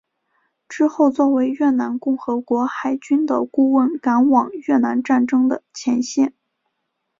之后作为越南共和国海军的顾问赶往越南战争前线。